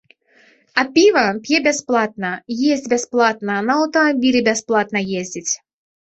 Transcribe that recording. А піва п'е бясплатна, есць бясплатна, на аўтамабілі бясплатна ездзіць.